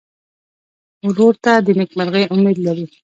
ورور ته د نېکمرغۍ امید لرې.